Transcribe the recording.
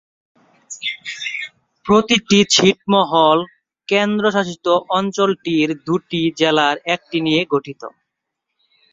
প্রতিটি ছিটমহল কেন্দ্রশাসিত অঞ্চলটির দুটি জেলার একটি নিয়ে গঠিত।